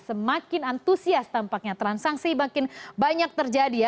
semakin antusias tampaknya transaksi makin banyak terjadi ya